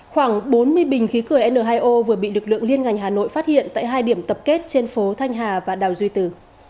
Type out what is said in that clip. khoảng bốn mươi bình khí cửa n hai o vừa bị lực lượng liên ngành hà nội phát hiện tại hai điểm tập kết trên phố thanh hà và đào duy từ